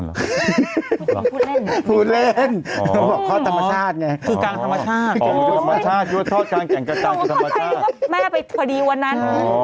อย่าให้ตลกกัน